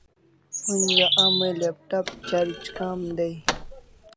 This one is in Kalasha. Onja a mai laptop charge kam dai